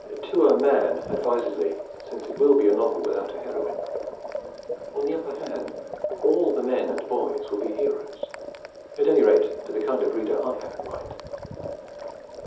To a man, advisedly, since it will be a novel without a heroine; on the other hand, all the men and boys will be heroes, at any rate to the kind of reader I have in mind.